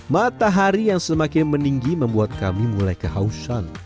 matahari yang semakin meninggi membuat kami mulai kehausan